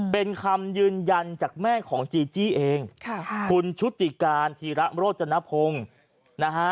เป็นคำยืนยันจากแม่ของจีจี้เองค่ะคุณชุติการธีระโรจนพงศ์นะฮะ